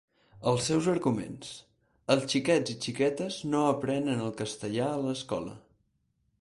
Els seus arguments: els xiquets i xiquetes no aprenen el castellà a l’escola.